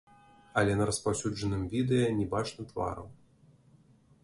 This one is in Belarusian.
Але на распаўсюджаным відэа не бачна твараў.